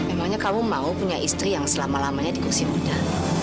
emangnya kamu mau punya istri yang selama lamanya di kursi muda